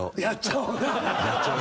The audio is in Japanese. やっちゃおうな。